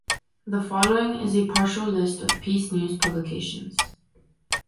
The following is a partial list of "Peace News" publications.